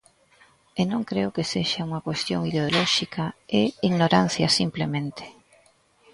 E non creo que sexa unha cuestión ideolóxica, é ignorancia simplemente.